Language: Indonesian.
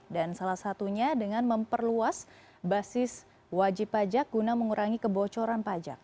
dan salah satunya dengan memperluas basis wajib pajak guna mengurangi kebocoran pajak